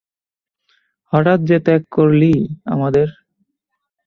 হঠাৎ যে ত্যাগ করলি আমাদের?